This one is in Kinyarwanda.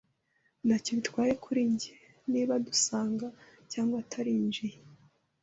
Ntacyo bitwaye kuri njye niba adusanga cyangwa atarinjiye.